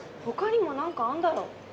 ほかにも何かあんだろ。